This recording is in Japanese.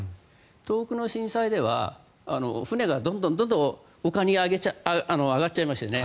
東北の震災では船がどんどんおかに上がっちゃいました。